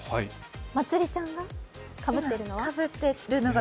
まつりちゃんがかぶっているのが？